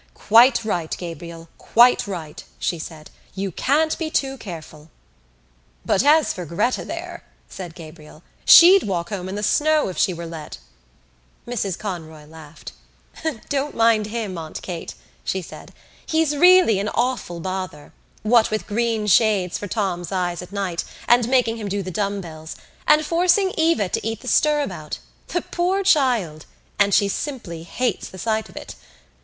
"Quite right, Gabriel, quite right," she said. "You can't be too careful." "But as for Gretta there," said Gabriel, "she'd walk home in the snow if she were let." Mrs Conroy laughed. "Don't mind him, Aunt Kate," she said. "He's really an awful bother, what with green shades for Tom's eyes at night and making him do the dumb bells, and forcing Eva to eat the stirabout. The poor child! And she simply hates the sight of it!...